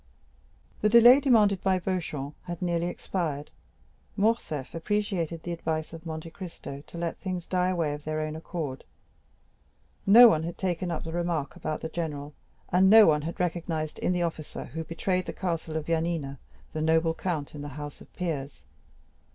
The delay demanded by Beauchamp had nearly expired. Morcerf appreciated the advice of Monte Cristo to let things die away of their own accord. No one had taken up the remark about the general, and no one had recognized in the officer who betrayed the castle of Yanina the noble count in the House of Peers.